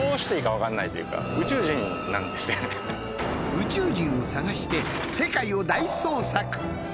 宇宙人を捜して、世界を大捜索。